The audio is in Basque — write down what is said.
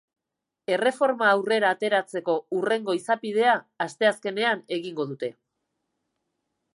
Erreforma aurrera ateratzeko hurrengo izapidea asteazkenean egingo dute.